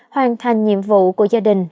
hoàn thành nhiệm vụ của gia đình